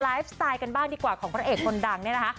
ไลฟ์สไตล์กันบ้างดีกว่าของพระเอกคนดังเนี่ยนะคะ